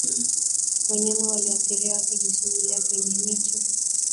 wanyama walioathiriwa wakijisugulia kwenye miti